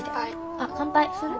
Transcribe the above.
あっ乾杯する？